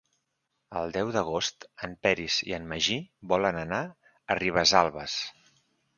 El deu d'agost en Peris i en Magí volen anar a Ribesalbes.